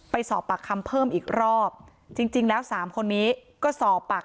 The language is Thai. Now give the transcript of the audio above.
ไปสอบปากคำเพิ่มอีกรอบจริงจริงแล้วสามคนนี้ก็สอบปากคำ